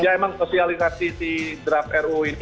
ya emang sosialisasi si draft ru ini